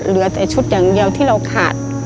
เหลือแต่ชุดอย่างเดียวที่เราขาด